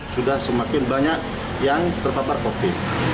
sudah semakin banyak yang terpapar covid sembilan belas